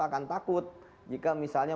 akan takut jika misalnya